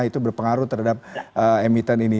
itu berpengaruh terhadap emiten ini